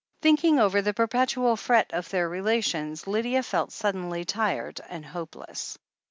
Thinking over the perpetual fret of their relations, Lydia felt suddenly tired and hopeless.